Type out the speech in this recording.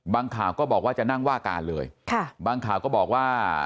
ข่าวก็บอกว่าจะนั่งว่าการเลยค่ะบางข่าวก็บอกว่า